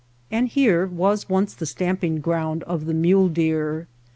And here was once the stamping ground of the mule deer.